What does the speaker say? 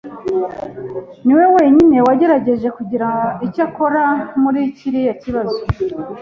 niwe wenyine wagerageje kugira icyo akora kuri kiriya kibazo.